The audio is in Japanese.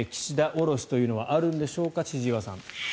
降ろしというのはあるんでしょうか、千々岩さん。